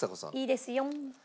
いいですよん。